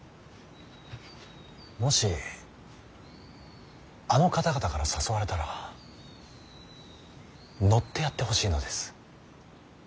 もしあの方々から誘われたら乗ってやってほしいのです。